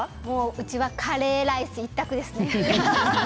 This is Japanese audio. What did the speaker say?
うちはカレーライス一択ですね。